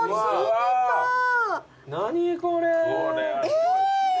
え！